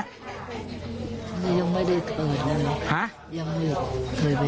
ยังไม่ได้เคยเลยยังไม่ได้เคยเลย